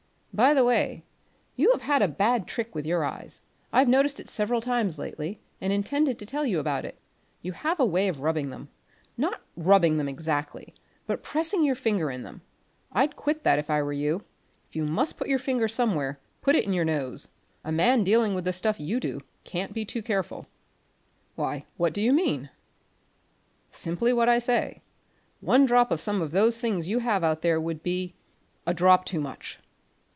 "By the way, you have a bad trick with your eyes. I've noticed it several times lately and intended to tell you about it. You have a way of rubbing them; not rubbing them exactly, but pressing your finger in them. I'd quit that if I were you. If you must put your finger somewhere, put it on your nose. A man dealing with the stuff you do can't be too careful." "Why, what do you mean?" "Simply what I say. One drop of some of those things you have out there would be a drop too much."